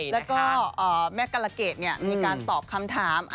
แล้วก็แม่กรเกดมีการตอบคำถาม